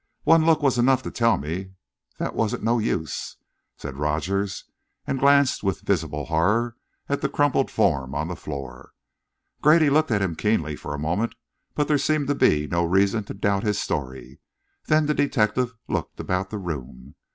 "One look was enough to tell me that wasn't no use," said Rogers, and glanced, with visible horror, at the crumpled form on the floor. Grady looked at him keenly for a moment; but there seemed to be no reason to doubt his story. Then the detective looked about the room.